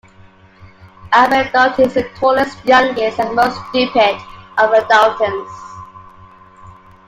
Averell Dalton is the tallest, youngest and most stupid of the Daltons.